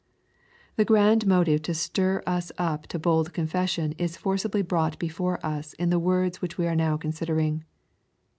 The grand motive to stir us up to bold confession is forcibly brought before us in the words which we are now considering.